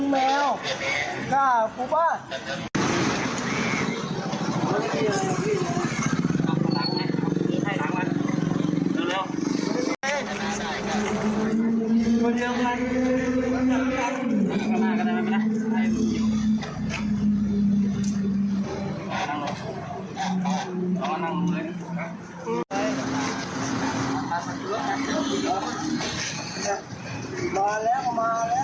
มาแล้วมาแล้ว